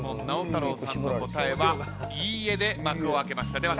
直太朗さんの答えは「いいえ」で幕を開けました。